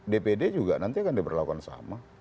dpd juga nanti akan diberlakukan sama